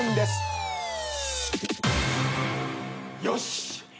よし。